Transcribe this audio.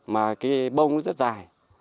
mà cái bông nó rất dài